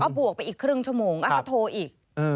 บวกไปอีกครึ่งชั่วโมงเขาโทรอีก